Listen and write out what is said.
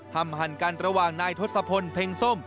หั่นกันระหว่างนายทศพลเพ็งส้ม